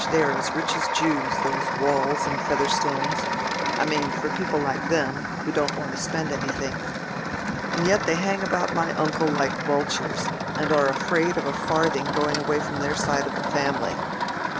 They are as rich as Jews, those Waules and Featherstones; I mean, for people like them, who don't want to spend anything. And yet they hang about my uncle like vultures, and are afraid of a farthing going away from their side of the family.